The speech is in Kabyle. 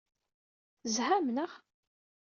Tezham, naɣ?